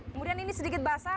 kemudian ini sedikit basah